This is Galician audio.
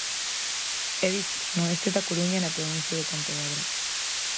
É dicir, no oeste da Coruña e na provincia de Pontevedra.